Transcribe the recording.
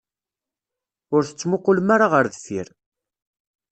Ur tettmuqqulem ara ɣer deffir.